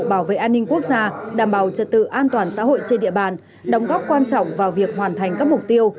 bảo vệ an ninh quốc gia đảm bảo trật tự an toàn xã hội trên địa bàn đóng góp quan trọng vào việc hoàn thành các mục tiêu